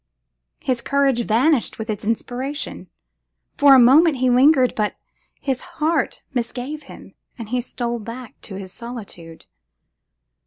His courage vanished with its inspiration. For a moment he lingered, but his heart misgave him, and he stole back to his solitude.